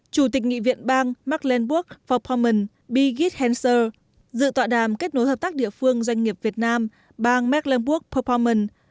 chủ tịch nghị viện bang mecklenburg vorpommern birgit hensel dự tọa đàm kết nối hợp tác địa phương doanh nghiệp việt nam bang mecklenburg vorpommern